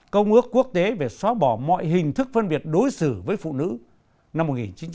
công ước quốc tế về xóa bỏ mọi hình thức phân biệt đối xử với phụ nữ năm một nghìn chín trăm tám mươi hai